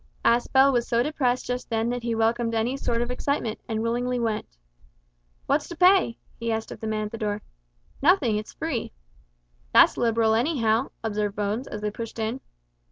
Aspel was so depressed just then that he welcomed any sort of excitement, and willingly went. "What's to pay?" he asked of the man at the door. "Nothing; it's free." "That's liberal anyhow," observed Bones, as they pushed in.